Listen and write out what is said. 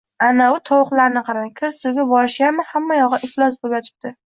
Anavi tovuqlarni qarang, kir suvga borishganmi, hamma yog`i iflos bo`lib ketibdi